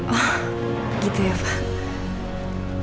oh begitu ya pak